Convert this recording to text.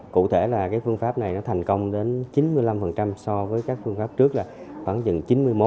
cụ thể là phương pháp này thành công đến chín mươi năm so với các phương pháp trước là khoảng chín mươi một chín mươi hai